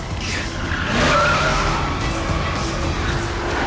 ああ。